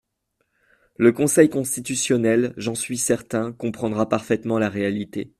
Le Conseil constitutionnel, j’en suis certain, comprendra parfaitement la réalité.